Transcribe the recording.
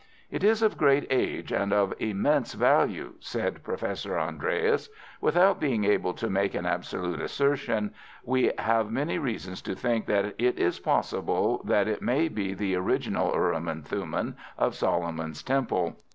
"It is of great age and of immense value," said Professor Andreas. "Without being able to make an absolute assertion, we have many reasons to think that it is possible that it may be the original urim and thummim of Solomon's Temple.